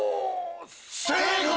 正解！